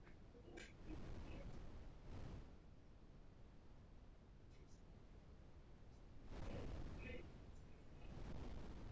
W'aweghora loli.